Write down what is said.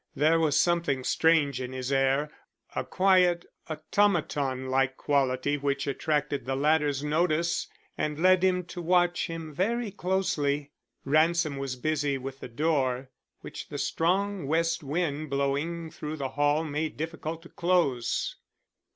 There was something strange in his air, a quiet automaton like quality which attracted the latter's notice and led him to watch him very closely. Ransom was busy with the door, which the strong west wind blowing through the hall made difficult to close.